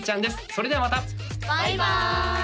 それではまたバイバーイ！